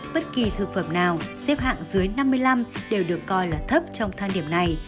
bất kỳ thực phẩm nào xếp hạng dưới năm mươi năm đều được coi là thấp trong thang điểm này